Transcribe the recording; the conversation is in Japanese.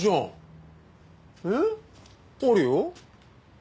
あるよ？